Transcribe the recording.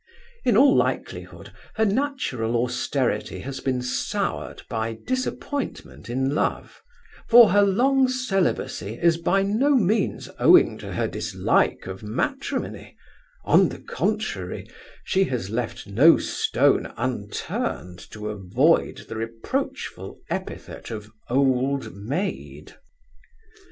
In all likelihood, her natural austerity has been soured by disappointment in love; for her long celibacy is by no means owing to her dislike of matrimony: on the contrary, she has left no stone unturned to avoid the reproachful epithet of old maid.